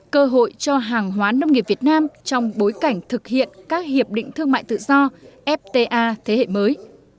cơ hội cho hàng hóa nông nghiệp việt nam trong bối cảnh thực hiện các hiệp định thương mại tự do fta thế hệ mới